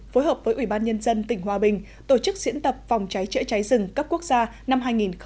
phối hợp với ủy ban nhân dân tỉnh hòa bình tổ chức diễn tập phòng cháy chữa cháy rừng cấp quốc gia năm hai nghìn một mươi chín